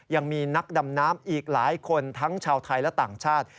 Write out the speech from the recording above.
ยังมีนักดำน้ำอีกหลายคนทั้งชาวไทยและต่างชาติ